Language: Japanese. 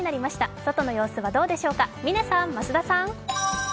外の様子はどうでしょうか、嶺さん、増田さん。